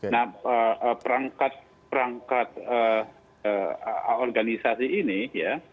nah perangkat perangkat organisasi ini ya